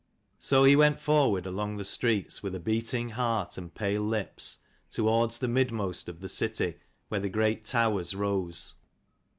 So he went forward along the streets, with a beating heart and pale lips, towards the mid most of the city where the great towers rose.